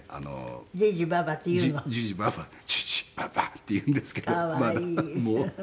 「じいじばあば」って言うんですけどまだもう。